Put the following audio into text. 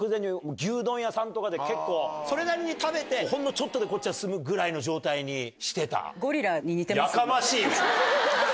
屋さんとかで結構それなりに食べてほんのちょっとでこっちは済むぐらいの状態にしてた。